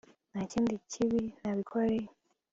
ntakindi kibi nabikoreye